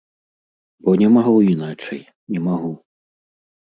Бо не магу іначай, не магу.